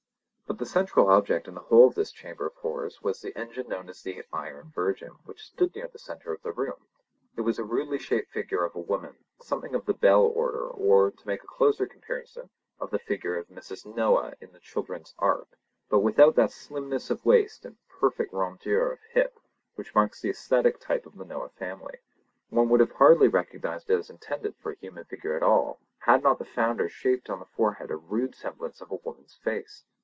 But the central object in the whole of this chamber of horrors was the engine known as the Iron Virgin, which stood near the centre of the room. It was a rudely shaped figure of a woman, something of the bell order, or, to make a closer comparison, of the figure of Mrs. Noah in the children's Ark, but without that slimness of waist and perfect rondeur of hip which marks the aesthetic type of the Noah family. One would hardly have recognised it as intended for a human figure at all had not the founder shaped on the forehead a rude semblance of a woman's face.